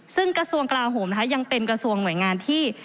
ซึ่งกระทรวงกลาโหมนะคะยังเป็นกระทรวงหน่วยงานที่